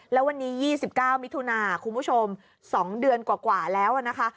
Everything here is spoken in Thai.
แล้ววันนี้๒๙มิถุนาคุณผู้ชม๒เดือนกว่าแล้วนะคะ